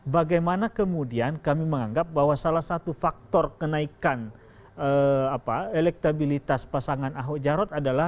bagaimana kemudian kami menganggap bahwa salah satu faktor kenaikan elektabilitas pasangan ahok jarot adalah